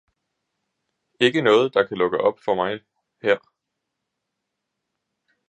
ikke noget, der kan lukke op for mig her!